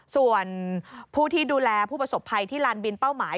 ส่วนผู้ที่ดูแลผู้ประสบภัยที่ลานบินเป้าหมาย